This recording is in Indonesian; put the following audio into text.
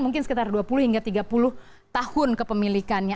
mungkin sekitar dua puluh hingga tiga puluh tahun kepemilikannya